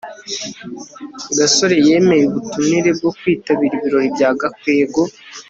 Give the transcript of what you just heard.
gasore yemeye ubutumire bwo kwitabira ibirori bya gakwego